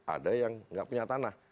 ada yang nggak punya tanah